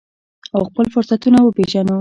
او خپل فرصتونه وپیژنو.